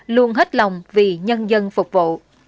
luôn hết lòng vì nhân dân phục vụ